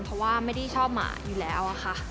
เพราะว่าไม่ได้ชอบหมาอยู่แล้วค่ะ